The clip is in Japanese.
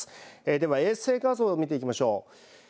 では衛星画像を見ていきましょう。